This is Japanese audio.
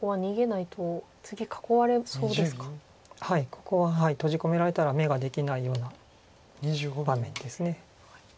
ここは閉じ込められたら眼ができないような場面です。